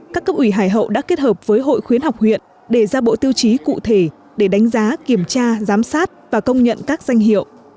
các cấp ủy hải hậu đã kết hợp với hội khuyến học huyện để ra bộ tiêu chí cụ thể để đánh giá kiểm tra giám sát và công nhận các danh hiệu